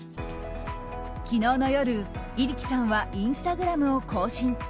昨日の夜、入来さんはインスタグラムを更新。